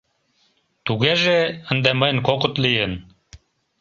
— Тугеже, ынде мыйын кокыт лийын.